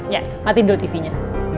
ya mati dulu tv nya